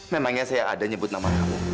memangnya saya ada nyebut nama kamu